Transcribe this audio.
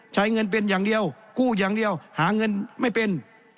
ใช้เงินเป็นอย่างเดียวกู้อย่างเดียวหาเงินไม่เป็น